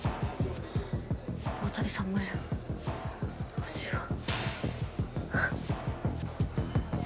大谷さんもいるどうしよう。